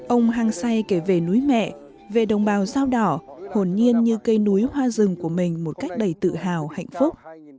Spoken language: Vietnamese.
ông hăng say kể về núi mẹ về đồng bào dao đỏ hồn nhiên như cây núi hoa rừng của mình một cách đầy tự hào hạnh phúc